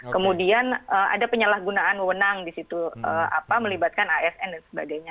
kemudian ada penyalahgunaan wewenang di situ melibatkan asn dan sebagainya